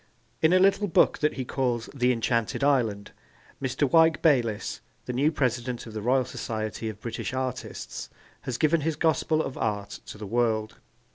In a little book that he calls The Enchanted Island Mr. Wyke Bayliss, the new President of the Royal Society of British Artists, has given his gospel of art to the world.